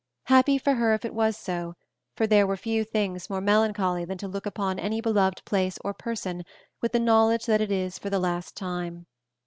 Happy for her if it was so, for there are few things more melancholy than to look upon any beloved place or person with the knowledge that it is for "the last time."